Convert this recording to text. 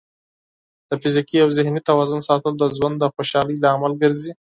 د فزیکي او ذهني توازن ساتل د ژوند د خوشحالۍ لامل ګرځي.